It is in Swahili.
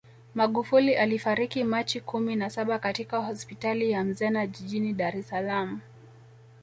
Magufuli alifariki Machi kumi na saba katika hospitali ya Mzena jijini Dar es Salaam